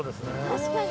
確かに。